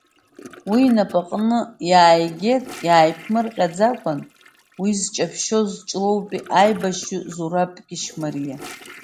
Уи инапаҟны иааигеит, иааиԥмырҟьаӡакәан уи зҷаԥшьоз Ҷлоутәи аибашьҩы Зураб Кьышьмариа.